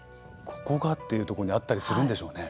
「ここが」っていうところにあったりするんでしょうね。